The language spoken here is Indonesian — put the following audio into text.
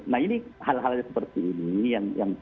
nah ini hal hal seperti ini yang